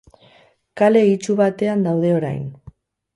Kale itsu batean daude orain.